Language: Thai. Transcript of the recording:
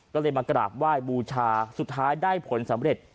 ก็เลยมากราบไหว้บูชาสุดท้ายได้ผลสำเร็จ